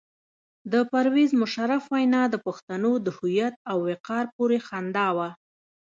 د پرویز مشرف وینا د پښتنو د هویت او وقار پورې خندا وه.